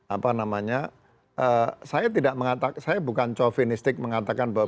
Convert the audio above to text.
apa namanya saya tidak mengatakan saya bukan covenistik mengatakan bahwa